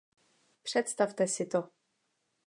Představte si to!